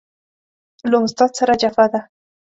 له استاد سره جفا ده